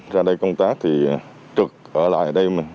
ra đây công tác thì trực ở lại